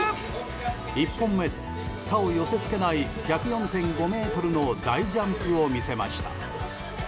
１本目、他を寄せ付けない１０４．５ｍの大ジャンプを見せました。